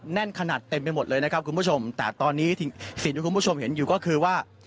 แน่นขนาดเต็มไปหมดเลยนะครับคุณผู้ชมแต่ตอนนี้สิ่งที่คุณผู้ชมเห็นอยู่ก็คือว่า